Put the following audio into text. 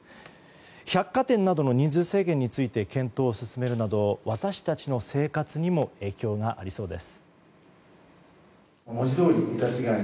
百貨店などの人数制限について検討を進めるなど私たちの生活にも影響がありそうです。